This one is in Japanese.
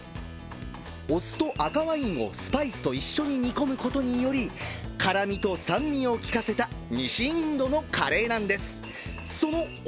お酢と赤ワインをスパイスと一緒に煮込むことにより辛みと酸味をきかせたカレーなんです。